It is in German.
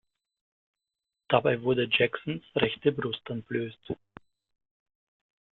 Dabei wurde Jacksons rechte Brust entblößt.